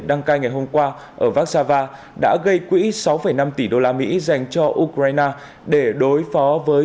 đăng cai ngày hôm qua ở vác xa va đã gây quỹ sáu năm tỷ đô la mỹ dành cho ukraine để đối phó với